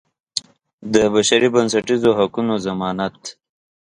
د بشري بنسټیزو حقوقو ضمانت.